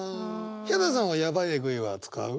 ヒャダさんは「ヤバい」「エグい」は使う？